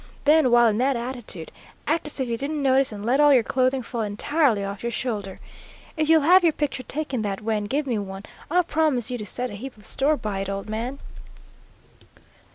Then while in that attitude, act as if you didn't notice and let all your clothing fall entirely off your shoulder. If you'll have your picture taken that way and give me one, I'll promise you to set a heap of store by it, old man."